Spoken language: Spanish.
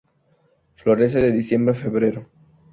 Florece de diciembre a febrero.